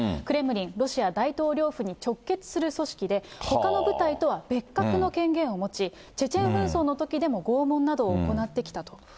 クレムリン・ロシア大統領府に直結する組織で、ほかの部隊とは別格の権限を持ち、チェチェン紛争のときでも拷問などを行ってきたと。